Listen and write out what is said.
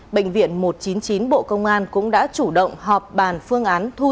bệnh viện một trăm chín mươi chín bộ công an cũng đã chủ động họp bàn phương án thu